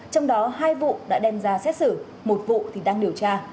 trong đó hai vụ đã đem ra xét xử một vụ thì đang điều tra